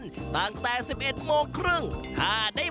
โรงโต้งคืออะไร